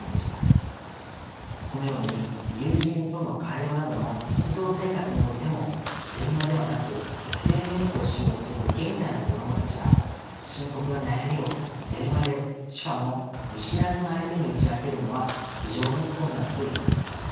このように友人との会話などの日常生活においても電話ではなくＳＮＳを使用する現代の子どもたちが深刻な悩みを電話でしかも見知らぬ相手に打ち明けるのは非常に困難と言えます。